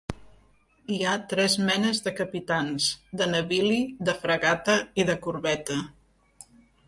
Hi ha tres menes de capitans: de navili, de fragata i de corbeta.